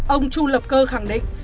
ông chu lập cơ khẳng định